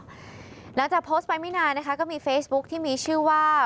หลังจากโพสต์ไปไม่นานนะคะก็มีเฟซบุ๊คที่มีชื่อว่า